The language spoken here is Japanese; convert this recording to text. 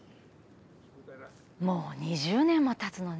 もう２０年も経つのね